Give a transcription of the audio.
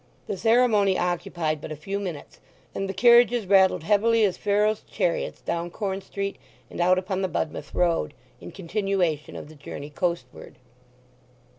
The ceremony occupied but a few minutes, and the carriages rattled heavily as Pharaoh's chariots down Corn Street and out upon the Budmouth Road, in continuation of the journey coastward.